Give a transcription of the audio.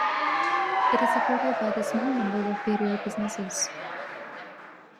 It is supported by the small number of Brier businesses.